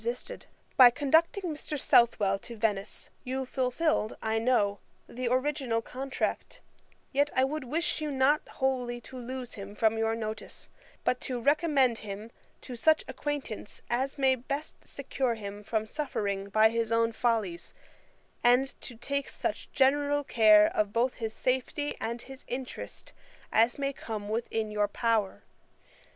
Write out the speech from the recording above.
] 'By conducting Mr. Southwell to Venice, you fulfilled, I know, the original contract: yet I would wish you not wholly to lose him from your notice, but to recommend him to such acquaintance as may best secure him from suffering by his own follies, and to take such general care both of his safety and his interest as may come within your power.